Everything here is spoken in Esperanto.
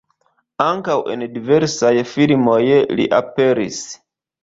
Ankaŭ en diversaj filmoj li aperis.